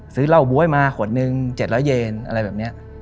ซื้อเหล้าบ๊วยมาขวดหนึ่ง๗๐๐เยนอะไรแบบนี้